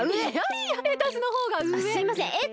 あっすいません